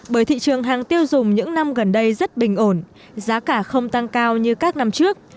bởi thị trường hàng tiêu dùng những năm gần đây rất bình ổn giá cả không tăng cao như các năm trước